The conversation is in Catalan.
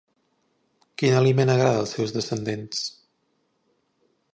Quin aliment agrada als seus descendents?